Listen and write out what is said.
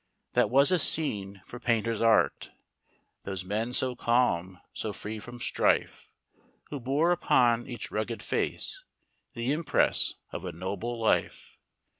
That was a scene for painter's art, Those men so calm, so free from strife, Who bore upon each rugged face The impress of a noble life.